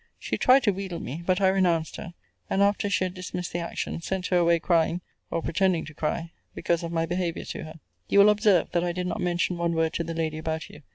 She tried to wheedle me; but I renounced her; and, after she had dismissed the action, sent her away crying, or pretending to cry, because of my behaviour to her. You will observe, that I did not mention one word to the lady about you.